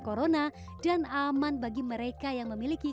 corona dan aman bagi mereka yang memiliki